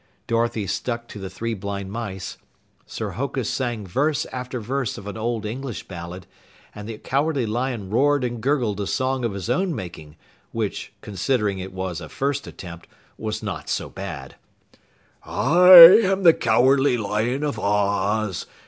Dorothy stuck to the Three Blind Mice. Sir Hokus sang verse after verse of an old English ballad, and the Cowardly Lion roared and gurgled a song of his own making, which, considering it was a first attempt, was not so bad: I am the Cowardly Lion of Oz!